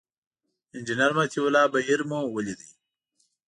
انجینر مطیع الله بهیر مو ولید.